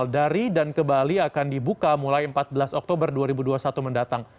dari dan ke bali akan dibuka mulai empat belas oktober dua ribu dua puluh satu mendatang